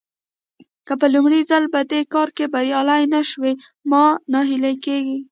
که په لومړي ځل په دې کار کې بريالي نه شوئ مه ناهيلي کېږئ.